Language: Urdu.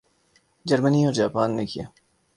جرمنی اور جاپان نے کیا